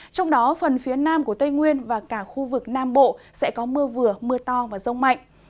trong đó phần phía nam của tây nguyên và cả khu vực nam bộ sẽ có mưa vừa mưa to và rông mạnh